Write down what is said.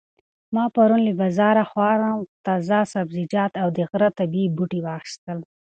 ما پرون له بازاره خورا تازه سبزیجات او د غره طبیعي بوټي واخیستل.